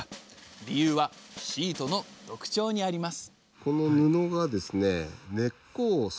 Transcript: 理由はシートの特徴にあります